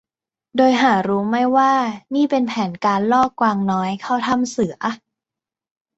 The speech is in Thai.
โดยหารู้ไม่ว่านี่เป็นแผนการล่อกวางน้อยเข้าถ้ำเสือ